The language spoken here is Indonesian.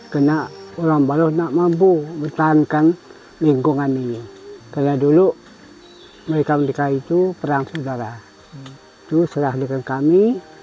karena orang maluh tidak mampu bertahankan lingkungannya karena dulu mereka menikahi itu perang saudara itu diserah dengan kami